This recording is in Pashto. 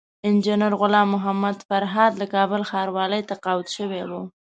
انجينر غلام محمد فرهاد له کابل ښاروالۍ تقاعد شوی وو